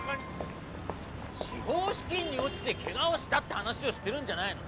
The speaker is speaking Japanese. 司法試験に落ちて怪我をしたって話をしてるんじゃないの。